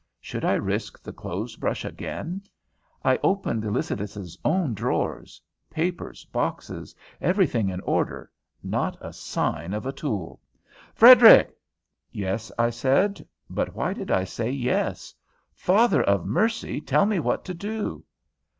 Should I risk the clothes brush again? I opened Lycidas's own drawers, papers, boxes, everything in order, not a sign of a tool. "Frederic!" "Yes," I said. But why did I say "Yes"? "Father of Mercy, tell me what to do."